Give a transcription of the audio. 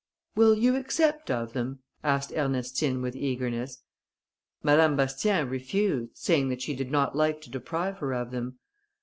"Will you accept of them?" asked Ernestine, with eagerness. Madame Bastien refused, saying she did not like to deprive her of them.